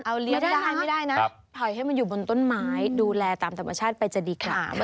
เผาให้มันอยู่บนต้นไม้ดูแลกันต่อบดูแลตามต้นประชาติไปจะดีค่ะ